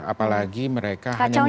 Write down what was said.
apalagi mereka hanya menjalankan